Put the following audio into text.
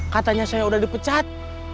katanya saya udah dipecat